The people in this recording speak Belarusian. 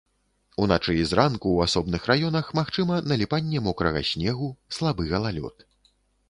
Уначы і зранку ў асобных раёнах магчыма наліпанне мокрага снегу, слабы галалёд.